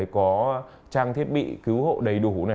có trang thiết bị cứu hộ đầy đủ